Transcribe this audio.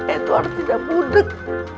edward tidak mudik